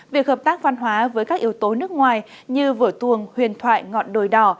việc hợp tác văn hóa với các yếu tố nước ngoài như vở tuồng huyền thoại ngọn đồi đỏ